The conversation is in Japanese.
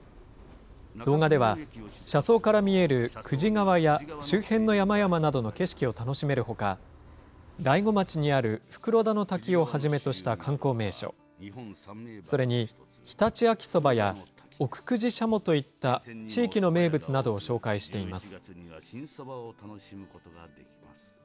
動画では車窓から見える久慈川や周辺の山々などの景色を楽しめるほか、大子町にある袋田の滝をはじめとした観光名所、それに常陸秋そばや、奥久慈しゃもといった地域の名物などを紹介しています。